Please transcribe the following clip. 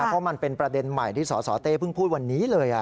เพราะมันเป็นประเด็นใหม่ที่สสเต้เพิ่งพูดวันนี้เลย